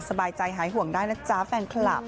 สบายใจหายห่วงได้นะจ๊ะแฟนคลับ